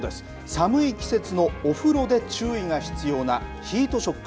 寒い季節のお風呂で注意が必要なヒートショック。